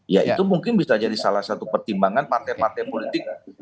ya itu mungkin bisa jadi salah satu pertimbangan partai partai politik